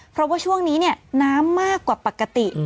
เพราะว่าช่วงนี้เนี่ยน้ำมากกว่าปกติ